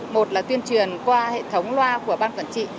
một là tuyên truyền qua hệ thống loa của ban quản trị